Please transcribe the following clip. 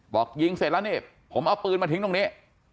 บอกยิงเสร็จแล้วนี่ผมเอาปืนมาทิ้งตรงนี้